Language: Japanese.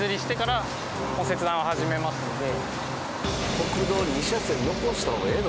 国道２車線残した方がええの？